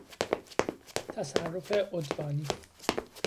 تصرف عدوانی